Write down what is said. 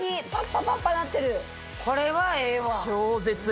これはええわ。